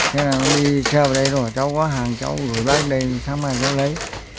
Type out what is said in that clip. nên là nó đi xe vào đây rồi cháu có hàng cháu gửi lại đây xong rồi cháu lấy